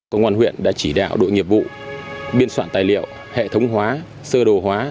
công an huyện đã chỉ đạo đội nghiệp vụ biên soạn tài liệu hệ thống hóa sơ đồ hóa